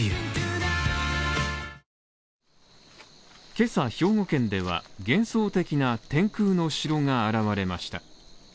今朝兵庫県では、幻想的な天空の城が現れました。